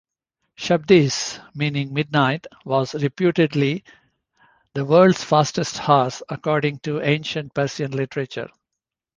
Shabdiz, meaning "midnight", was reputedly the "world's fastest horse" according to ancient Persian literature.